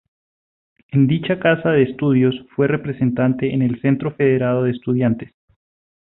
En dicha casa de estudios, fue representante en el Centro Federado de Estudiantes.